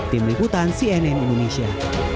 tim liputan cnn indonesia